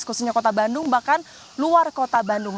khususnya kota bandung bahkan luar kota bandung